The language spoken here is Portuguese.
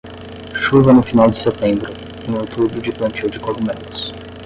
Chuva no final de setembro, em outubro de plantio de cogumelos.